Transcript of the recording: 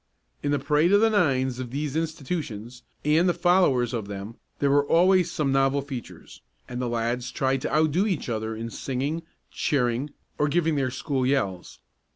In the parade of the nines of these institutions, and the followers of them, there were always some novel features, and the lads tried to outdo each other in singing, cheering or giving their school yells.